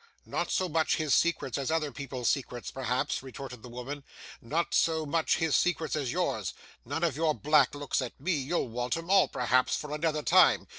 'Not so much his secrets as other people's secrets, perhaps,' retorted the woman; 'not so much his secrets as yours. None of your black looks at me! You'll want 'em all, perhaps, for another time.